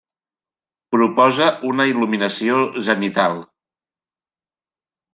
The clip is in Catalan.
Proposa una il·luminació zenital.